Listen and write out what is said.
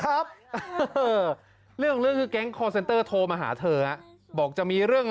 อ่ะเดี๋ยวพุ่ยทำเสียง